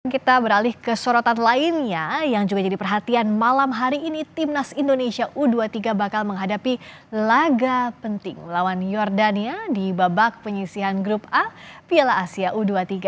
kita beralih ke sorotan lainnya yang juga jadi perhatian malam hari ini timnas indonesia u dua puluh tiga bakal menghadapi laga penting lawan jordania di babak penyisihan grup a piala asia u dua puluh tiga